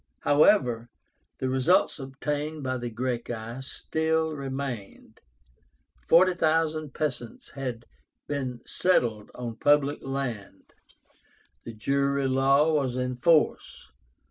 However, the results obtained by the Gracchi still remained. Forty thousand peasants had been settled on public land. The jury law was in force.